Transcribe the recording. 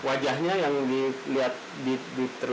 wajahnya yang di lihat